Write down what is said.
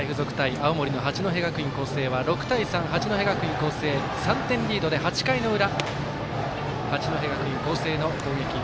青森の八戸学院光星は６対３、八戸学院光星３点リードで８回の裏八戸学院光星の攻撃。